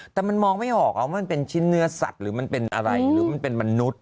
แต่มันมองไม่ออกว่ามันเป็นชิ้นเนื้อสัตว์หรือมันเป็นอะไรหรือมันเป็นมนุษย์